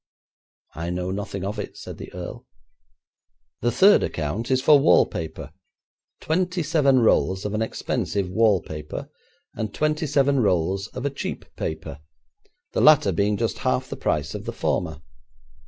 'I know nothing of it,' said the earl. 'The third account is for wallpaper; twenty seven rolls of an expensive wallpaper, and twenty seven rolls of a cheap paper, the latter being just half the price of the former.